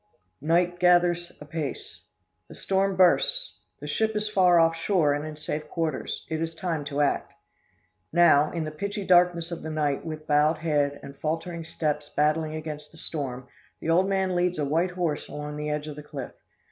Night gathers apace. The storm bursts the ship is far off shore, and in safe quarters. It is time to act. "Now, in the pitchy darkness of the night, with bowed head, and faltering steps battling against the storm, the old man leads a white horse along the edge of the cliff.